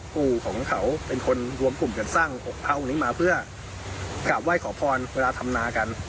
ปู่ของเขาเป็นคนรวมกลุ่มกันสร้างองค์พระองค์นี้มาเพื่อกราบไหว้ขอพรเวลาทำนากัน